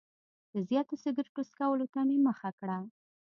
د زیاتو سګرټو څکولو ته مې مخه کړه.